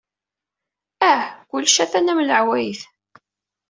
Ah, kullec atan am leɛwayed.